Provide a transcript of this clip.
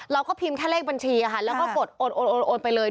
เราก็พิมพ์แค่เลขบัญชีแล้วก็กดโอนไปเลย